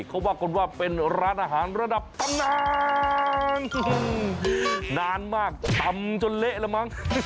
เขาว่ากันว่าเป็นร้านอาหารระดับตำนานนานมากตำจนเละแล้วมั้ง